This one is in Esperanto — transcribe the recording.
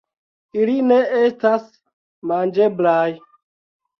Ili ne estas manĝeblaj.